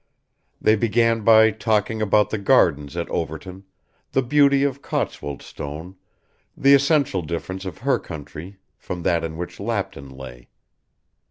They began by talking about the gardens at Overton, the beauty of Cotswold stone, the essential difference of her country from that in which Lapton lay.